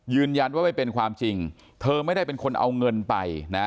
ยืนยันว่าไม่เป็นความจริงเธอไม่ได้เป็นคนเอาเงินไปนะ